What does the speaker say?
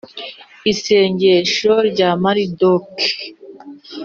isengesho rya maridoke